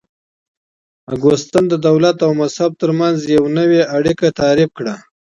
اګوستين د دولت او مذهب ترمنځ يوه نوې اړيکه تعريف کړه.